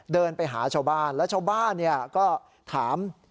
เดินไปหาชาวบ้านแล้วชาวบ้านก็ถาม